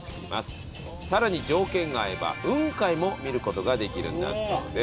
さらに条件が合えば雲海も見る事ができるんだそうです。